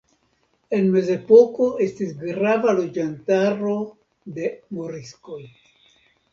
En Mezepoko estis grava loĝantaro de moriskoj.